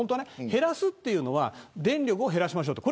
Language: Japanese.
減らすっていうのは電力を減らしましょうって。